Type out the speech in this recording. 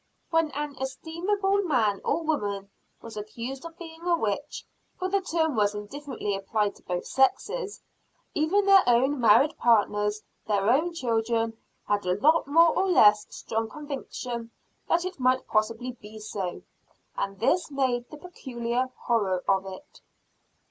When an estimable man or woman was accused of being a witch, for the term was indifferently applied to both sexes, even their own married partners, their own children, had a more or less strong conviction that it might possibly be so. And this made the peculiar horror of it.